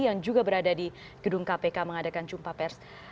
yang juga berada di gedung kpk mengadakan jumpa pers